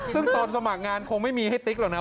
ซึ่งตอนสมัครงานคงไม่มีให้ติ๊กหรอกนะ